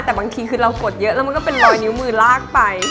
แต่บางทีคือเรากดเยอะแล้วมันก็เป็นรอยนิ้วมือลากไป